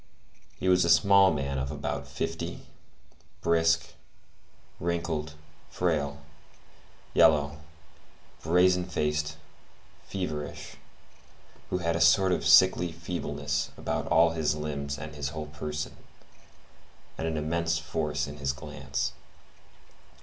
He was a small man of about fifty, brisk, wrinkled, frail, yellow, brazen faced, feverish, who had a sort of sickly feebleness about all his limbs and his whole person, and an immense force in his glance.